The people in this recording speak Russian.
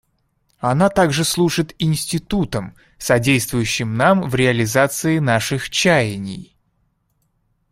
Она также служит институтом, содействующим нам в реализации наших чаяний.